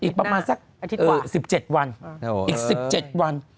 อีกประมาณสัก๑๗วัน